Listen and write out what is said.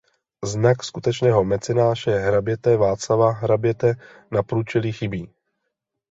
Znak skutečného mecenáše hraběte Václava hraběte na průčelí chybí.